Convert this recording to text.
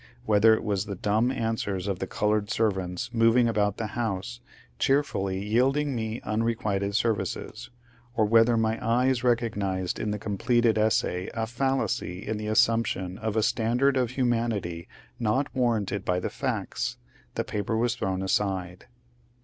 Whether it was the dumb answers of the coloured servants moving about the house, cheerfully yielding me unrequited services, or whether my eyes recognized in the completed essay a fallacy in the assumption of a standard of humanity not warranted by the facts, the paper was thrown aside.